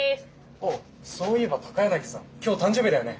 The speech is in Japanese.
ああそういえば高柳さん今日誕生日だよね。